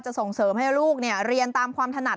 ส่งเสริมให้ลูกเรียนตามความถนัด